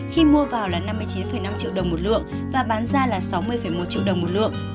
khi mua vào là năm mươi chín năm triệu đồng một lượng và bán ra là sáu mươi một triệu đồng một lượng